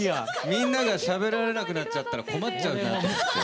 みんながしゃべられなくなっちゃったら困っちゃうなと思って。